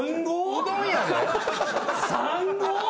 うどんやで？